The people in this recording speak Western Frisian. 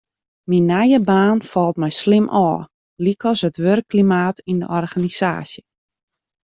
Myn nije baan falt my slim ôf, lykas it wurkklimaat yn de organisaasje.